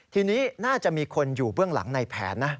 ทีนี้น่าจะมีคนอยู่เบื้องหลังในแผนนะ